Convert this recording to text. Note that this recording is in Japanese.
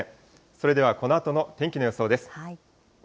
それではこのあとの天気の予想です。